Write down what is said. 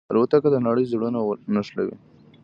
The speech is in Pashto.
الوتکه د نړۍ زړونه نښلوي.